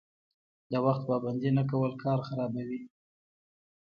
د وخت پابندي نه کول کار خرابوي.